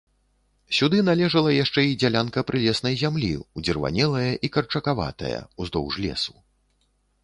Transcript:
Сюды належала яшчэ і дзялянка прылеснай зямлі, удзірванелая і карчакаватая, уздоўж лесу.